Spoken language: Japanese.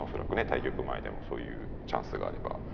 対局前でもそういうチャンスがあれば。